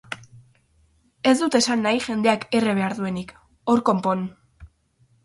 Ez dut esan nahi jendeak erre behar duenik, hor konpon!